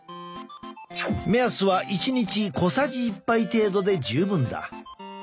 目安は１日小さじ１杯程度で十分だ。